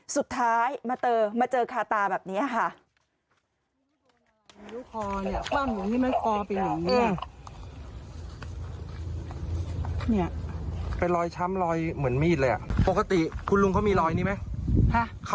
สุดท้ายมาเจอมาเจอคาตาแบบนี้ค่ะ